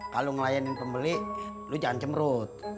kalo ngelayanin pembeli lo jangan cemerut